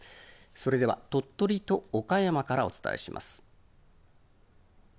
それでは鳥取と岡山からお伝えします。